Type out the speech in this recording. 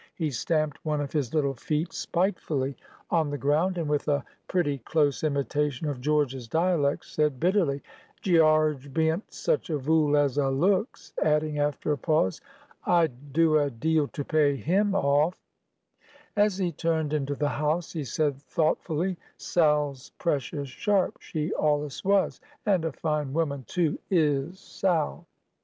He stamped one of his little feet spitefully on the ground, and, with a pretty close imitation of George's dialect, said bitterly, "Gearge bean't such a vool as a looks!" adding, after a pause, "I'd do a deal to pay him off!" As he turned into the house, he said thoughtfully, "Sal's precious sharp; she allus was. And a fine woman, too, is Sal!"